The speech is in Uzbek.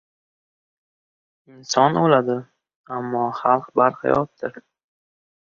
Inson o‘ladi, ammo xalq barhayotdir.